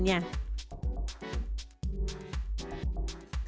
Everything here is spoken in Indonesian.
dan juga berdasarkan kesulitannya